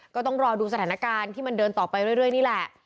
ก็ต้องรอดูสถานการณ์ที่มันเดินต่อไปเรื่อยนี่แหละ